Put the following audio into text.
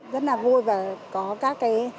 rất là vui và có các